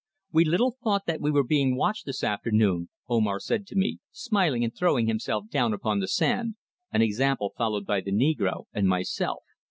"We little thought that we were being watched this afternoon," Omar said to me, smiling and throwing himself down upon the sand, an example followed by the negro and myself.